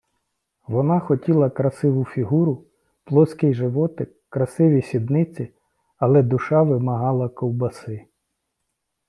Вона хотіла красиву фігуру, плоский животик, красиві сідниці, але душа вимагала ковбаси.